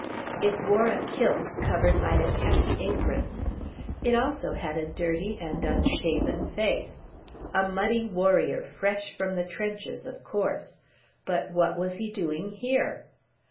It wore a kilt covered by a khaki apron. It also had a dirty and unshaven face. A muddy warrior fresh from the trenches, of course. But what was he doing here?